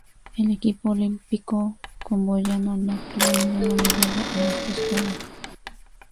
El equipo olímpico camboyano no obtuvo ninguna medalla en estos Juegos.